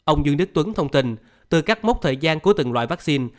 ông dương đức tuấn thông tin từ các mốc thời gian của từng loại vaccine